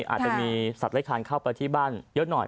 อาจจะมีสัตว์เลขคลานเข้าไปที่บ้านเยอะหน่อย